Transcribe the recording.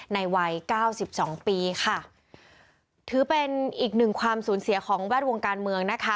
ในวัยเก้าสิบสองปีค่ะถือเป็นอีกหนึ่งความสูญเสียของแวดวงการเมืองนะคะ